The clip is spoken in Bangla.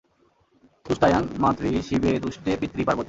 তুষ্টায়াং মাতরি শিবে তুষ্টে পিতরি পার্বতি।